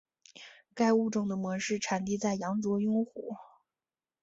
该物种的模式产地在羊卓雍湖。